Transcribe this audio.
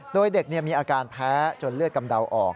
โดยเด็กมีอาการแพ้จนเลือดกำเดาออก